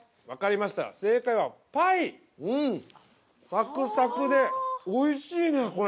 サクサクで、おいしいね、これ。